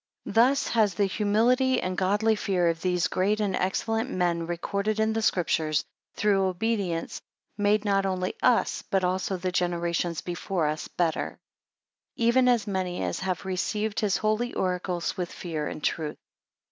THUS has the humility and godly fear of these great and excellent men recorded in the Scriptures, through obedience, made not only us, but also the generations before us better; even as many as have received his holy oracles with fear and truth.